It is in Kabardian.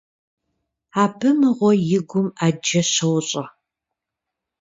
Абы, мыгъуэ, и гум Ӏэджэ щощӀэ.